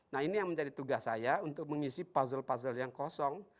nah ini yang menjadi tugas saya untuk mengisi puzzle puzzle yang kosong